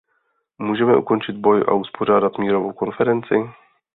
Můžeme ukončit boj a uspořádat mírovou konferenci?